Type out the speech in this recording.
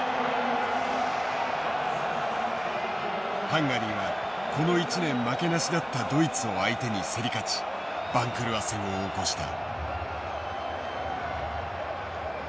ハンガリーはこの一年負けなしだったドイツを相手に競り勝ち番狂わせを起こした。